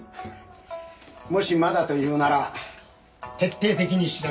もしまだというなら徹底的に調べてくれ。